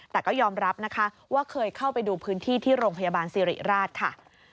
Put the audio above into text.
แต่ก็ยอมรับนะคะว่าเคยเข้าไปดูพื้นที่ที่โรงพยาบาลสิริราชค่ะ